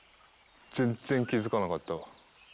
全然気付かなかったわ。